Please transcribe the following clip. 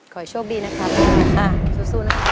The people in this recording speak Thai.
ขอโชคดีนะครับสู้นะครับ